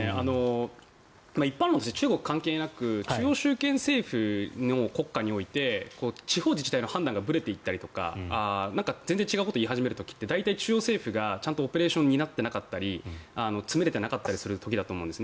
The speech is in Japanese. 一般論として中国関係なく中央集権政府の国家において地方自治体の判断がぶれていったり全然違うこと言い始める時って大体、中央政府がちゃんとオペレーションを担っていなかったり詰めれていなかったりする時なんですね。